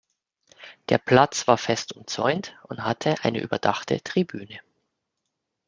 Der Platz war fest umzäunt und hatte eine überdachte Tribüne.